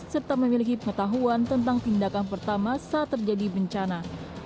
serta memiliki pengetahuan tentang tindakan pertama saat terjadi bencana